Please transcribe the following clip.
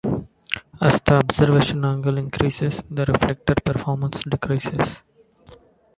As the observation angle increases, the reflector performance decreases.